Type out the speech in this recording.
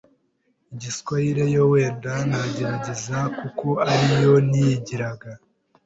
Igiswayire yo wenda nagerageza kuko ari yo niyigiraga